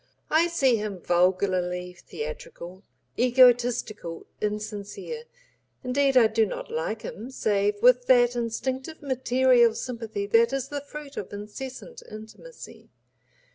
I see him vulgarly theatrical, egotistical, insincere, indeed I do not like him save with that instinctive material sympathy that is the fruit of incessant intimacy.